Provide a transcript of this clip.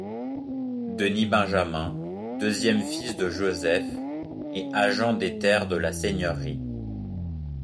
Denis-Benjamin, deuxième fils de Joseph, est agent des terres de la seigneurie.